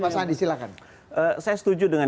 mas andi silahkan saya setuju dengan